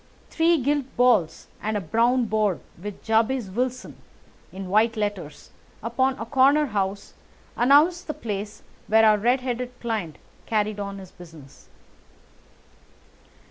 Three gilt balls and a brown board with "JABEZ WILSON" in white letters, upon a corner house, announced the place where our red headed client carried on his business.